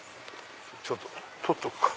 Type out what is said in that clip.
ちょっと撮っておくか。